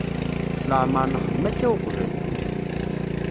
Leɛmeṛ nexdem akka weqbel.